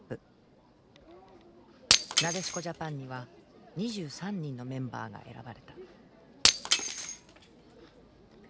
なでしこジャパンには２３人のメンバーが選ばれた。